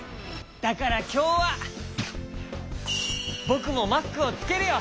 だからきょうはぼくもマスクをつけるよ！